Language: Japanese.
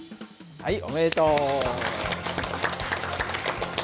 はいおめでとう。